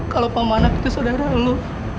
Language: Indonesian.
kalo pak manak itu saudara lo